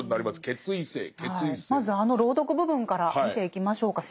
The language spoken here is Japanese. まずあの朗読部分から見ていきましょうか。